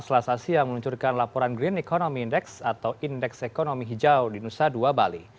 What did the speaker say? selasa siang meluncurkan laporan green economy index atau indeks ekonomi hijau di nusa dua bali